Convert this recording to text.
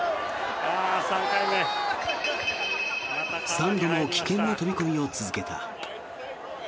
３度も危険な飛び込みを続けた。